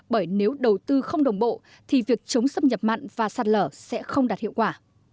bởi nếu đầu tư không đồng bộ thì việc chống xâm nhập mặn và sạt lở sẽ không đạt hiệu quả